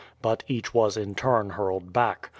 But each was in turn hurled back.